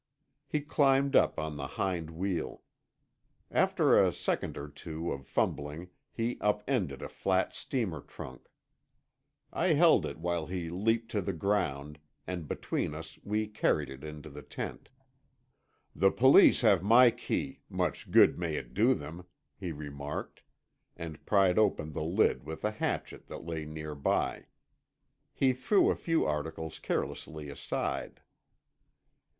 He climbed up on the hind wheel. After a second or two of fumbling he upended a flat steamer trunk. I held it while he leaped to the ground, and between us we carried it into the tent. "The Police have my key—much good may it do them," he remarked, and pried open the lid with a hatchet that lay near by. He threw a few articles carelessly aside.